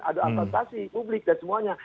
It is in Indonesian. ada apatasi publik dan semuanya